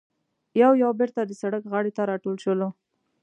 یو یو بېرته د سړک غاړې ته راټول شولو.